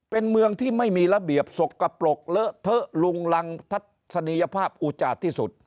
เป็นเมืองที่ไม่มีระเบียบสกปรกเลอะเทอะลุงรังทัศนียภาพอุจาดที่สุด